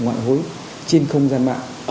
ngoại hối trên không gian mạng